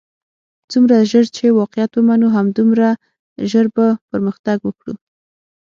څومره ژر چې واقعیت ومنو همدومره ژر بۀ پرمختګ وکړو.